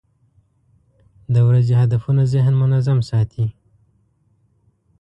د ورځې هدفونه ذهن منظم ساتي.